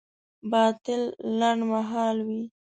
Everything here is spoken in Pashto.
باطل لنډمهاله وي.